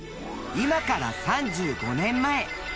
［今から３５年前］